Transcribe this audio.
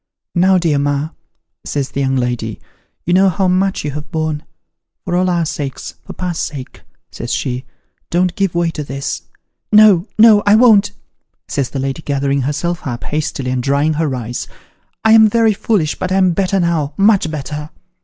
'Now, dear ma,' says the young lady, 'you know how much you have borne. For all our sakes for pa's sake,' says she, ' don't give way to this !'' No, no, I won't !' says the lady, gathering herself up, hastily, and drying her eyes ;' I am very foolish, but I'm better now much better.'